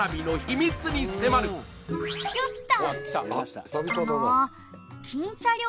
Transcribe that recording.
「よっと」